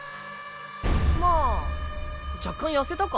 まあ若干痩せたか？